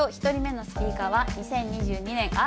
１人目のスピーカーは２０２２年